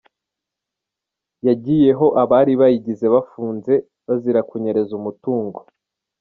Yagiyeho abari bayigize bafunze, bazira kunyereza umutungo.